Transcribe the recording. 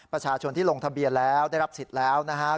ประชาชนที่ลงทะเบียนแล้วได้รับสิทธิ์แล้วนะครับ